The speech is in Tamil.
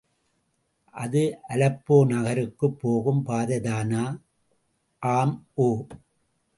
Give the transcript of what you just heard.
இது அலெப்போ நகருக்குப் போகும் பாதைதானா? ஆம்! ஒ!